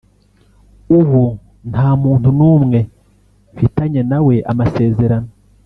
“ Ubu nta muntu n’umwe mfitanye na we amasezerano